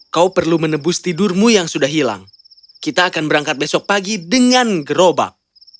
kau perlu menebus tidurmu yang sudah hilang kita akan berangkat besok pagi dengan gerobak